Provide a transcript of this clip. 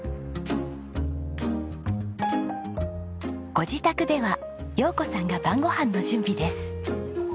ご自宅では陽子さんが晩ご飯の準備です。